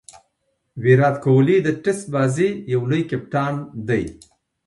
ویرات کهولي د ټېسټ بازي یو لوی کپتان دئ.